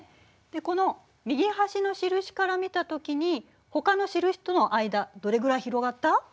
この右端の印から見たときにほかの印との間どれくらい広がった？